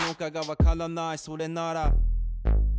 「それなら」